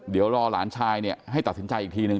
เดี๋ยวรอหลานชายเนี่ยให้ตัดสินใจอีกทีหนึ่ง